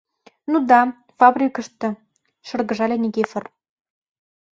— Ну да, фабрикыште, — шыргыжале Никифор.